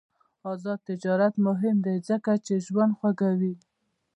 آزاد تجارت مهم دی ځکه چې ژوند خوږوي.